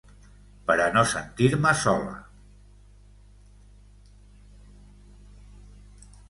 Per a no sentir-me sola.